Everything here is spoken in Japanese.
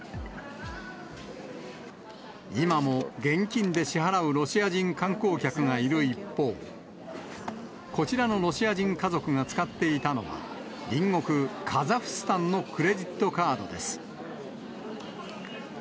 今も現金で支払うロシア人観光客がいる一方、こちらのロシア人家族が使っていたのは、隣国カザフスタンのクレジットカードです。